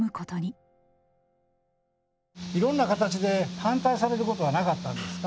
いろんな形で反対されることはなかったんですか？